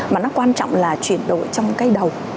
mà nó quan trọng là chuyển đổi trong cây đầu